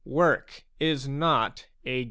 Work is not a good.